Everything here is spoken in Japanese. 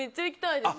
行きたい！